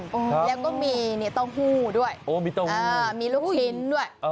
แล้วก็ต้องหูด้วยอ๋อมีต้องฮูมีลูกขี้ด้วย